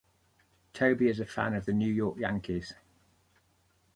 Toby is a fan of the New York Yankees.